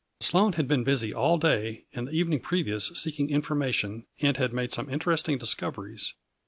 Sloane had been busy all day and the even ing previous seeking information, and had made some interesting discoveries.